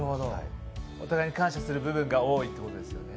お互いに感謝する場面が多いということですね。